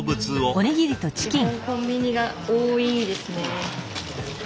基本コンビニが多いですね。